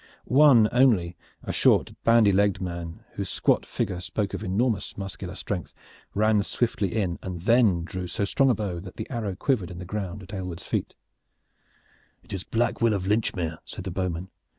One only, a short bandy legged man, whose squat figure spoke of enormous muscular strength, ran swiftly in and then drew so strong a bow that the arrow quivered in the ground at Aylward's very feet. "It is Black Will of Lynchmere," said the bowman.